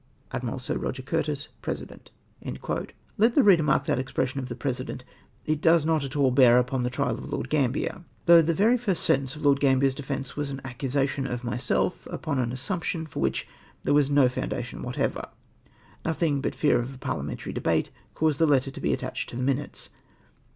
" Admiral Sir Roger Curtis, President." Let the reader mark that expression of the presi dent, " it does not at all hear upon the trial of Lord Gamhier!" Though the very hrst sentence of Lord Gambler's defence was an accusation of myself upon an assumption for which there was no foundation whatever. Nothing but fear of a parhamentary debate caused that letter to be attached to the Minutes.